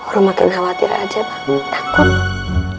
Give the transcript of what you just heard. ra makin khawatir aja bang